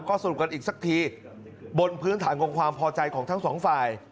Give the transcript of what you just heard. ก็สรุปกันอีกสักทีบนพื้นฐานของความพอใจของทั้งสองฝ่าย